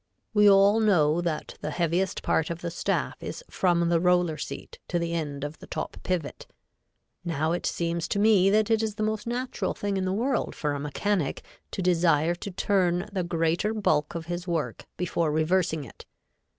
We all know that the heaviest part of the staff is from the roller seat to the end of the top pivot. Now it seems to me that it is the most natural thing in the world for a mechanic to desire to turn the greater bulk of his work before reversing it.